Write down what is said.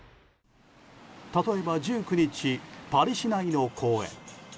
例えば、１９日パリ市内の公園。